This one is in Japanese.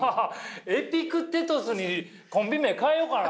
「エピクテトス」にコンビ名変えようかな。